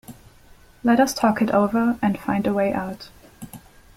Let us talk it over and find a way out.